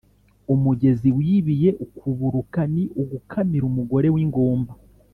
Umugezi wibiye ukuburuka ni ugukamira umugore w'ingumba,